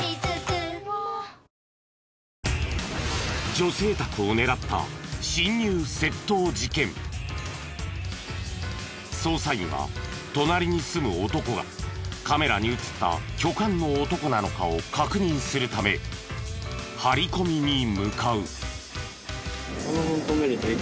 女性宅を狙った捜査員は隣に住む男がカメラに映った巨漢の男なのかを確認するため張り込みに向かう。